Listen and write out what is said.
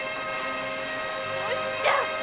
お七ちゃん